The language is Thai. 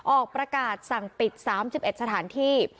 ออกประกาศสั่งปิด๓๑สถานที่